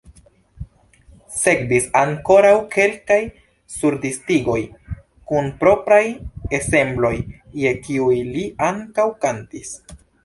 Sekvis ankoraŭ kelkaj surdiskigoj kun propraj ensembloj, je kiuj li ankaŭ kantis.